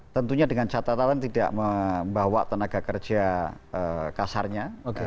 tentunya dengan catatan tidak membawa tenaga kerja kasarnya